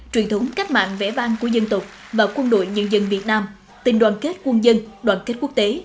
truyền thống cách mạng vẽ vang của dân tộc và quân đội nhân dân việt nam tình đoàn kết quân dân đoàn kết quốc tế